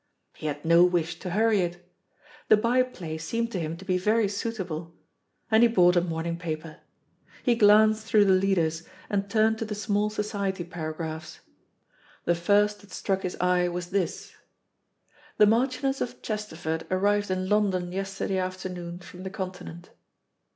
He had no wish to hurry it. The by play seemed to him to be very suitable, and he bought a morning paper. He glanced through the leaders, and turned to the small society paragraphs. The first that struck his eye was this: "The Marchioness of Chesterford arrived in London yesterday afternoon from the Continent."